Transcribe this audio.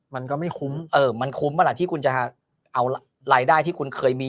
มันก็ไม่คุ้มเออมันคุ้มป่ะล่ะที่คุณจะเอารายได้ที่คุณเคยมี